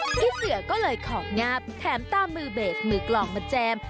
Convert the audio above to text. พี่เสือก็เลยของาบแถมตามมือเบสมือกล่องมาแจม